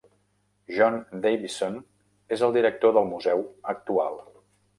John Davison és el director del museu actual